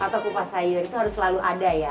atau kupas sayur itu harus selalu ada ya